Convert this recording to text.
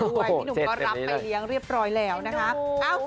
พี่หนุ่มก็รับไปเลี้ยงเรียบร้อยแล้วนะคะ